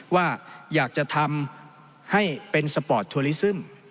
ว่าอยากจะทำให้เป็นสปอร์ตทัวลิซึม